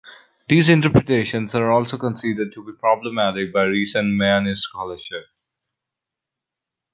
These interpretations are also considered to be problematic by recent Mayanist scholarship.